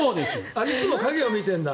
いつも影を見てるんだ。